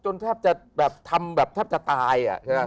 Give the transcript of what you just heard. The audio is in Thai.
จนแทบจะทำแบบแทบจะตาย